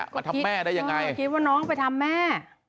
มาทำแม่ได้ยังไงปาล์มเนี่ยบอกว่าพี่น้องไปทำน้อง